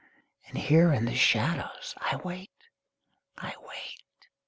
And here in the shadows I wait, I wait!